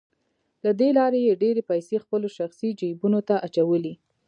له دې لارې یې ډېرې پیسې خپلو شخصي جیبونو ته اچولې